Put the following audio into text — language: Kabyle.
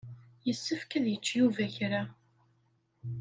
Yessefk ad yečč Yuba kra.